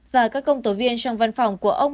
và các công tố viên trong văn phòng của ông